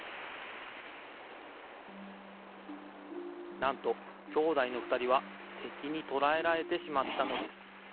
なんと兄弟のふたりはてきにとらえられてしまったのです。